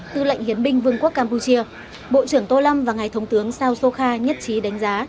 tư lệnh hiến binh vương quốc campuchia bộ trưởng tô lâm và ngài thống tướng sao sokha nhất trí đánh giá